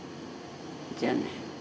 じゃあね。